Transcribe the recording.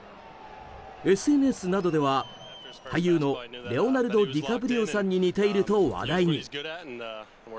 ＳＮＳなどでは、俳優のレオナルド・ディカプリオさんに似ていると話題に。